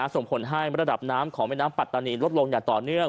ส่งผลให้ระดับน้ำของแม่น้ำปัตตานีลดลงอย่างต่อเนื่อง